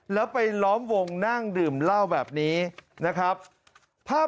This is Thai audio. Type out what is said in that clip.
แล้วไปล้อมวงนั่งดื่มเหล้าแบบนี้นะครับภาพ